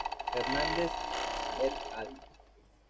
Hernández, "et al.